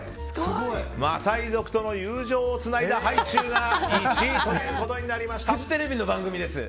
マサイ族との友情をつないだハイチュウが１位ということになりました。